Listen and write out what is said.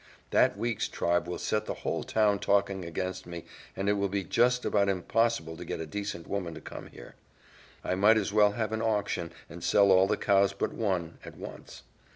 That Weeks tribe will set the whole town talking against me and it will be just about impossible to get a decent woman to come here. I might as well have an auction and sell all the cows but one at once.